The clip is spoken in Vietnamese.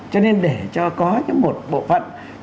cho nên để cho có một bộ phận